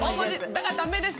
だからダメです。